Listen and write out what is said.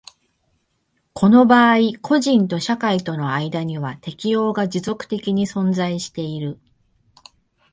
この場合個人と社会との間には適応が持続的に存在している。